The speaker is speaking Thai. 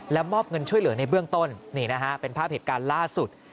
มอบเงินช่วยเหลือในเบื้องต้นนี่นะฮะเป็นภาพเหตุการณ์ล่าสุด